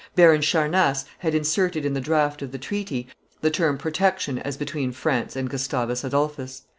Baron Charnace had inserted in the draft of the treaty the term protection as between France and Gustavus Adolphus.